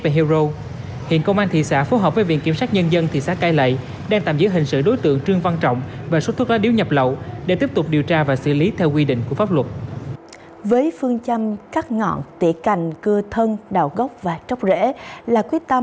với phương châm cắt ngọn tỉa cành cưa thân đào gốc và tróc rễ là quyết tâm